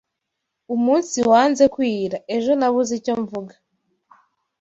umunsi wanze kwira, ejo nabuze icyo mvuga,